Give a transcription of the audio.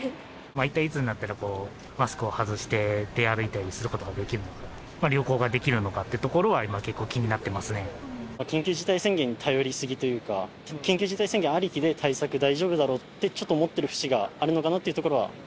一体いつになったら、マスクを外して出歩いたりすることができるのか、旅行ができるのかってところは、緊急事態宣言に頼り過ぎというか、緊急事態宣言ありきで対策、大丈夫だろうってちょっと思ってる節があるのかなというところは。